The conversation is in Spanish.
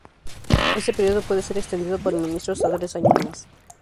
Este período puede ser extendido por el ministro hasta tres años más.